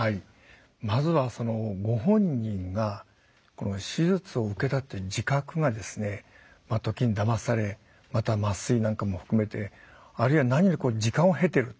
まずはご本人が手術を受けたっていう自覚がですね時にだまされまた麻酔なんかも含めてあるいは何より時間を経てると。